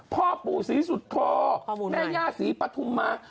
พ่อปู่สีสุดพอแม่ย่าสีปทุมมา